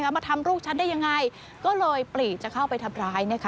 มาทำลูกฉันได้ยังไงก็เลยปลีจะเข้าไปทำร้าย